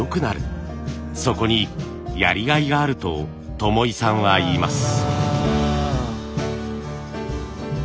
そこにやりがいがあると伴井さんは言います。